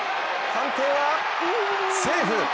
判定はセーフ。